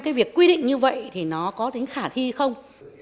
cái việc quy định như vậy thì nó có tính khả thi không